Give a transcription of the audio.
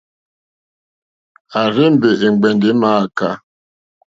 À rzé-mbè è ŋgbɛ̀ndɛ̀ è mááká.